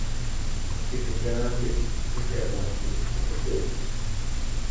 el que tenga hambre, que se aguante como todos.